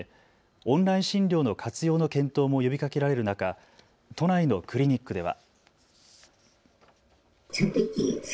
オンライン診療の活用の検討も呼びかけられる中都内のクリニックでは。